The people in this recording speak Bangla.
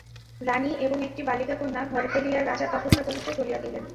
রানী এবং একটি বালিকা কন্যা ঘরে ফেলিয়া রাজা তপস্যা করিতে চলিয়া গেলেন।